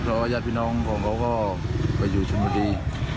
เพราะว่าญาติพี่น้องของเขาก็ไปอยู่ชนบุรี